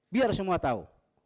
biar semua tahu